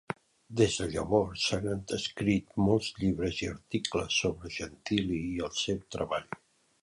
Des de llavors, s'han escrit molts llibres i articles sobre Gentili i el seu treball.